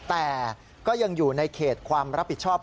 แต่ก็ยังอยู่ในเขตความรับผิดชอบ